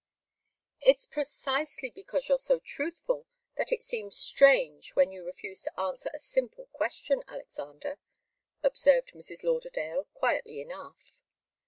"It's precisely because you're so truthful that it seems strange when you refuse to answer a simple question, Alexander," observed Mrs. Lauderdale, quietly enough.